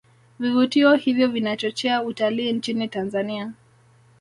Vivutio hivyo vinachochea utalii nchini tanzania